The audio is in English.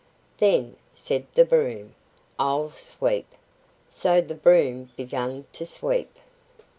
"Then," said the broom, "I'll sweep." So the broom began to sweep.